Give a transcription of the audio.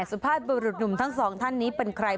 สุภาษณ์นุ่มทั้ง๒ท่านนี้เป็นใคร